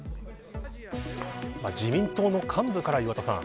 自民党の幹部から、岩田さん